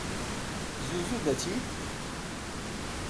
زوو زوو دەچیت؟